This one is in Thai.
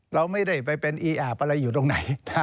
เราไม่ได้ไปเป็นอีอาบอะไรอยู่ตรงไหน